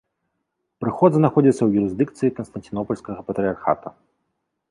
Прыход знаходзіцца ў юрысдыкцыі канстанцінопальскага патрыярхата.